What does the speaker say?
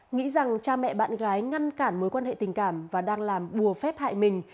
nghĩ rằng cha mẹ bạn gái ngăn cản mối quan hệ tình cảm và đang làm bùa phép hại mình